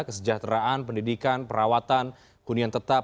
kesejahteraan pendidikan perawatan kuningan tetap